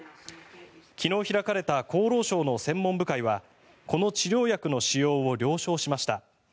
昨日開かれた厚労省の専門部会はこの治療薬の使用を了承しました。